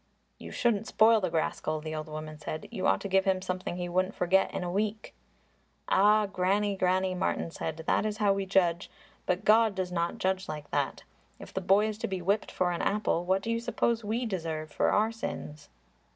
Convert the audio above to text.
"You shouldn't spoil the rascal," the old woman said. "You ought to give him something he wouldn't forget in a week." "Ah, Granny, Granny!" Martin said; "that is how we judge, but God does not judge like that. If the boy is to be whipped for an apple what do you suppose we deserve for our sins?"